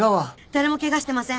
誰もケガしてません。